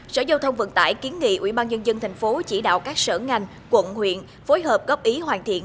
sở giao thông vận tải kiến nghị ubnd tp chỉ đạo các sở ngành quận huyện phối hợp góp ý hoàn thiện